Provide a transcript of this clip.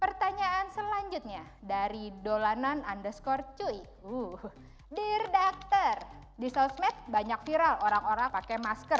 pertanyaan selanjutnya dari dolan an anders core cui together di telepth banyak viral orang orang pakai masker